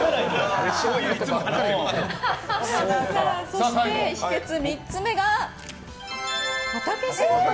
そして、秘訣３つ目が畑仕事。